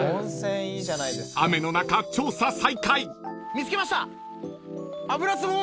［雨の中調査再開］見つけました。